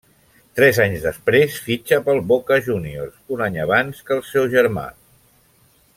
Tres anys després, fitxa pel Boca Juniors, un any abans que el seu germà.